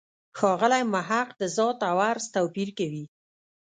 ښاغلی محق د «ذات» او «عرض» توپیر کوي.